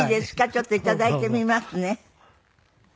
ちょっと頂いてみますね。